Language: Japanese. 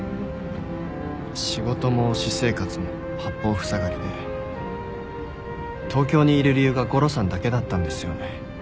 仕事も私生活も八方塞がりで東京にいる理由がゴロさんだけだったんですよね。